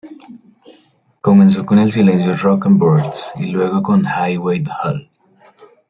Comenzó con el sencillo Rock or Bust y luego con Highway to Hell.